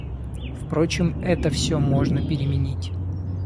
Впрочем, это все можно переменить.